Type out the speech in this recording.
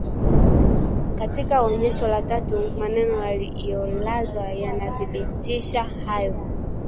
Katika Onyesho la tatu maneno yaliyolazwa yanadhibitisha hayo